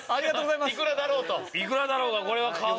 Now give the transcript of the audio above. いくらだろうと？